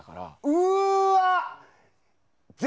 うわ！